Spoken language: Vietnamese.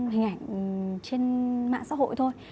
hình ảnh trên mạng xã hội thôi